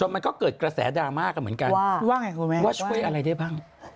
มันก็เกิดกระแสดามากเหมือนกันว่าว่าช่วยอะไรได้บ้างว่า